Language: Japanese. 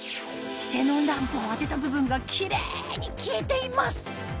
キセノンランプを当てた部分がキレイに消えています